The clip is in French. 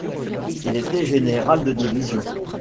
Il était général de division.